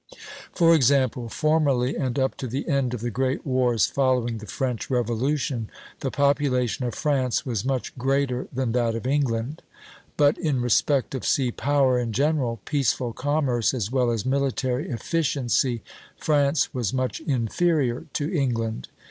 For example, formerly and up to the end of the great wars following the French Revolution, the population of France was much greater than that of England; but in respect of sea power in general, peaceful commerce as well as military efficiency, France was much inferior to England.